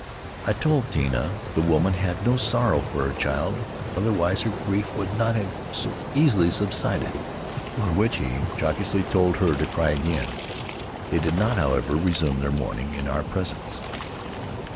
I told Tinah the woman had no sorrow for her child, otherwise her grief would not have so easily subsided, on which he jocosely told her to cry again: they did not, however, resume their mourning in our presence.